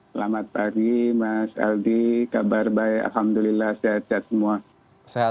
selamat pagi mas aldi kabar baik alhamdulillah sehat sehat semua